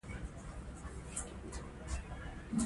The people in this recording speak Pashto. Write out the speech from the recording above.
راځئ چې پیل یې کړو.